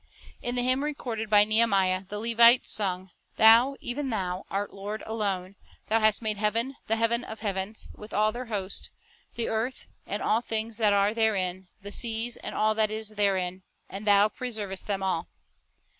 In the hymn recorded by Nehemiah, the Levites sung, "Thou, even Thou, art Lord alone; Thou hast made heaven, the heaven of heavens, with all their host, the earth, and all things that are therein, the seas, and all that is therein, and Thou preservest them all."